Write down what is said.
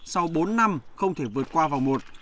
sau bốn năm không thể vượt qua vòng một